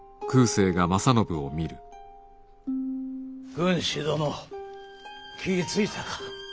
軍師殿気ぃ付いたか。